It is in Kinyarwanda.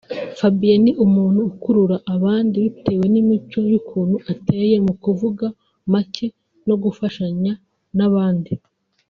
Fabien ni umuntu ukurura abandi bitewe n’imico y’ukuntu ateye mu kuvuga make no gufashanya n’abandi